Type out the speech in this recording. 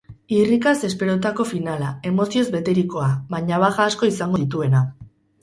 Irrikaz esperotako finala, emozioz beterikoa, baina baja asko izango dituena.